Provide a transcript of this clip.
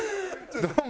「どうも！